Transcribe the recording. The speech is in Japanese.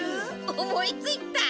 思いついた！